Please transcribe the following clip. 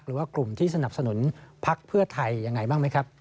หรือว่ากลุ่มที่สนับสนุนพักเพื่อไทยยังไงบ้างไหมครับ